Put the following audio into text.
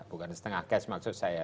bukan setengah cash maksud saya